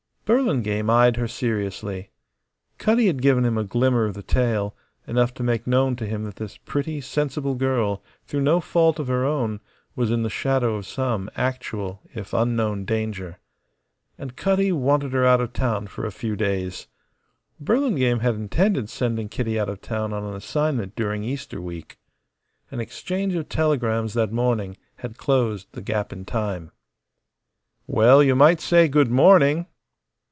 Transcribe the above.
Burlingame eyed her seriously. Cutty had given him a glimmer of the tale enough to make known to him that this pretty, sensible girl, though no fault of her own, was in the shadow of some actual if unknown danger. And Cutty wanted her out of town for a few days. Burlingame had intended sending Kitty out of town on an assignment during Easter week. An exchange of telegrams that morning had closed the gap in time. "Well, you might say 'Good morning.'"